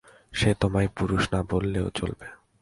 সে তোমায় পুরুষ না বললেই চলবে।